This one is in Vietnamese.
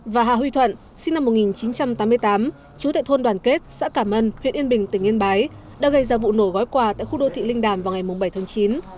và hà huy thuận sinh năm một nghìn chín trăm tám mươi tám chú tại thôn đoàn kết xã cảm ân huyện yên bình tỉnh yên bái đã gây ra vụ nổ gói quà tại khu đô thị linh đàm vào ngày bảy tháng chín